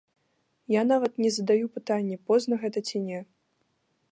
Я нават не задаю пытанне, позна гэта ці не.